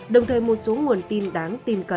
đồng thời một số nguồn tin đáng tin